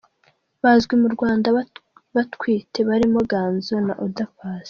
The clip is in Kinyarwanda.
bazwi mu Rwanda batwite barimo Ganzo , Oda Paccy .